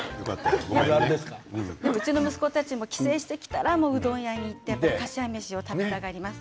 うちの息子たちも帰省してきたらうどん屋に行ってかしわ飯を食べたがります。